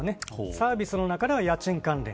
サービスの中では家賃関連。